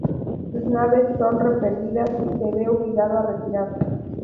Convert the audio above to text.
Sus naves son repelidas y se ve obligado a retirarse.